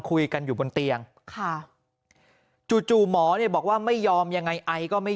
คุยกันอยู่บนเตียงค่ะจู่หมอเนี่ยบอกว่าไม่ยอมยังไงไอก็ไม่